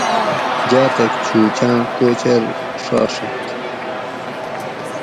جاۤتک چُھوچاۤں کوچور ڛاڛت